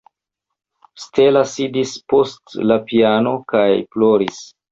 Stella sidis post la piano kaj ploris.